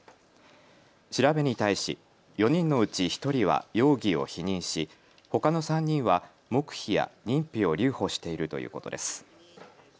調べに対し４人のうち１人は容疑を否認し、ほかの３人は黙秘や認否を留保しているということです。